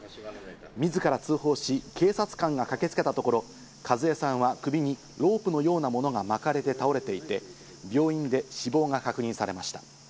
自ら通報し、警察官が駆けつけたところ、数江さんは首にロープのようなものがまかれて倒れていて、病院で死亡が確認されました。